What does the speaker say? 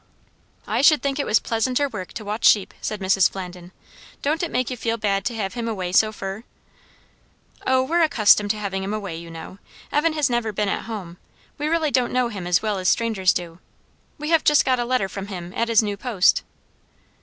"I should think it was pleasanter work to watch sheep," said Mrs. Flandin "Don't it make you feel bad to have him away so fur?" "O, we're accustomed to having him away, you know; Evan has never been at home; we really don't know him as well as strangers do. We have just got a letter from him at his new post."